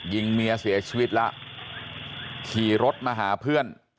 ยิงเมียเสียชีวิตแล้วขี่รถมาหาเพื่อน